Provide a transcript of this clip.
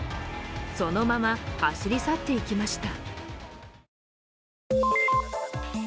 そのまま走り去っていきました。